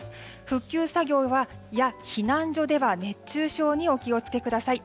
復旧作業や避難所では熱中症にお気を付けください。